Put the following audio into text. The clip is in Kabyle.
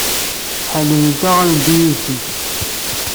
Ḥellelent-aɣ ad neddu yid-sent.